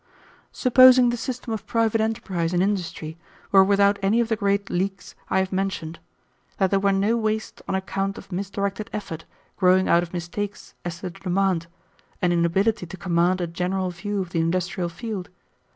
Supposing the system of private enterprise in industry were without any of the great leaks I have mentioned; that there were no waste on account of misdirected effort growing out of mistakes as to the demand, and inability to command a general view of the industrial field.